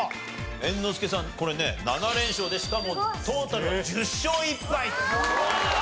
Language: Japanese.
猿之助さんこれね７連勝でしかもトータルが１０勝１敗。